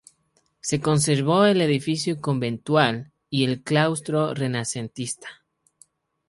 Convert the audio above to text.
Se conservó el edificio conventual y el claustro renacentista.